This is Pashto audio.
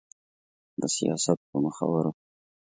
د سياست په مخورو